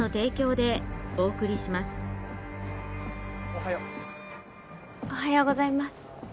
おはようございます。